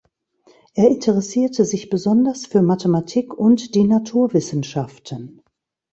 Er interessierte sich besonders für Mathematik und die Naturwissenschaften.